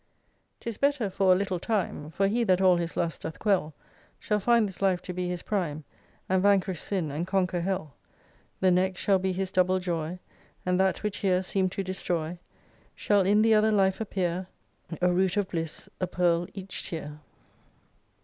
'Tis better for a little time ; For he that all his lusts doth quell, Shall find this life to be his prime And vanquish Sin, and conquer HcU. The next shall be his double joy ; And that which here seemed to destroy Shall in the other life appear A root of bliss ? a pearl each tear.